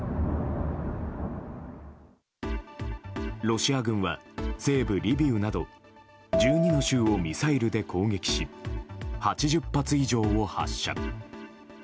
ロシア軍は西部リビウなど１２の州をミサイルで攻撃し８０発以上を発射。